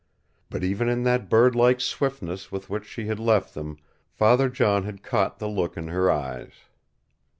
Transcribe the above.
But even in that bird like swiftness with which she had left them, Father John had caught the look in her eyes.